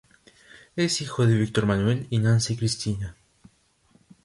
Es hijo de Víctor Manuel y Nancy Cristina.